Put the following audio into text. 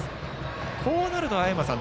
こうなると青山さん